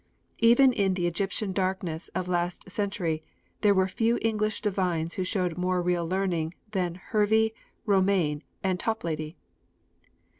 Even in the Egyptian darkness of last century, there were few English divines who showed more real learning than Hervey, Romaine, and Toplady.